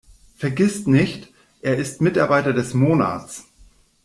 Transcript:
Vergiss nicht, er ist Mitarbeiter des Monats!